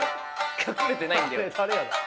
隠れてないんだよ。